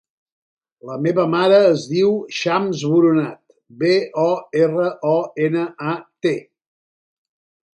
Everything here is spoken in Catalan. La meva mare es diu Chams Boronat: be, o, erra, o, ena, a, te.